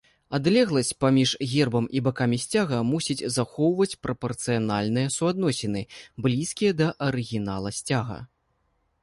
Адлегласць паміж гербам і бакамі сцяга мусіць захоўваць прапарцыянальныя суадносіны, блізкія да арыгінала сцяга.